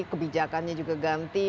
kebijakannya juga ganti